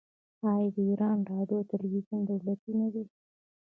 آیا د ایران راډیو او تلویزیون دولتي نه دي؟